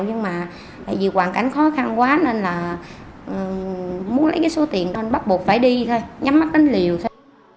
nhưng mà tại vì hoàn cảnh khó khăn quá nên là muốn lấy cái số tiền nên bắt buộc phải đi thôi nhắm mắt đến liều thôi